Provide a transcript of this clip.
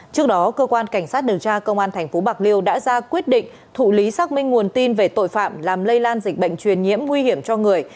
trước đó cơ quan cảnh sát điều tra công an tp bạc liêu đã ra quyết định thụ lý xác minh nguồn tin về tội phạm làm lây lan dịch bệnh truyền nhiễm nguy hiểm cho người